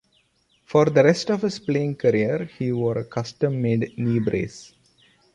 For the rest of his playing career, he wore a custom-made knee brace.